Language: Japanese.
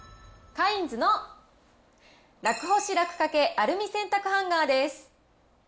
カインズの楽干し楽カケアルミ洗濯ハンガーです。